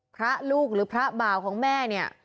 พระลูกหรือพระบ่าวของแม่เนี่ย